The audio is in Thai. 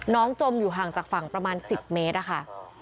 จมอยู่ห่างจากฝั่งประมาณ๑๐เมตรอะค่ะ